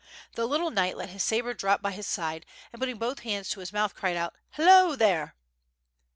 The little knight let his sabre drop by his side, and putting both hands to his mouth cried out "Hello! there."